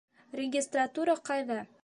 Регистратура ҡайҙа?